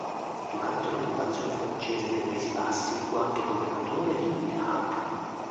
Durante l'occupazione francese dei Paesi Bassi fu anche governatore di Le Hague.